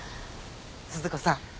鈴子さん